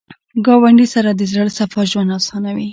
ګاونډي سره د زړه صفا ژوند اسانوي